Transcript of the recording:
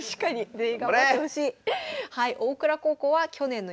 全員頑張ってほしい。